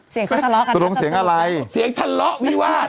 เสียงเขาทะเลาะกันตกลงเสียงอะไรเสียงทะเลาะวิวาส